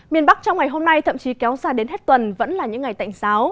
miền bắc trong ngày hôm nay thậm chí kéo xa đến hết tuần vẫn là những ngày tạnh xáo